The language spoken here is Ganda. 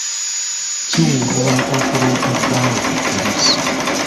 Kiweebuula okuloopa bbaawo ku poliisi.